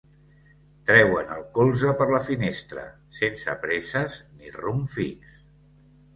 Treuen el colze per la finestra, sense presses ni rumb fix.